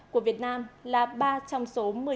của việt nam là ba trong số